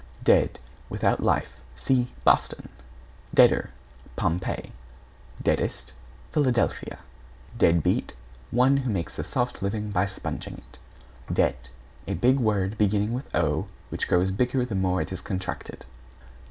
=DEAD= Without life. See Boston. =DEADER= Pompeii. =DEADEST= Philadelphia. =DEADBEAT= One who makes a soft living by sponging it. =DEBT= A big word beginning with Owe, which grows bigger the more it is contracted.